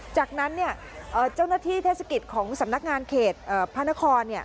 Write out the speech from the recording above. จากนั้นเจ้าหน้าที่เทศกิจของสำนักงานเขตพระนคร